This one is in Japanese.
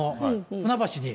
船橋に。